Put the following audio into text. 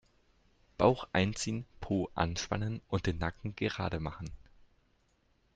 Bauch einziehen, Po anspannen und den Nacken gerade machen.